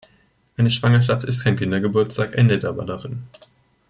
Eine Schwangerschaft ist kein Kindergeburtstag, endet aber darin.